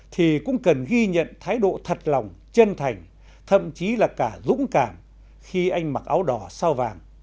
thì cũng cần ghi nhận thái độ thật lòng chân thành thậm chí là cả dũng cảm khi anh mặc áo đỏ sao vàng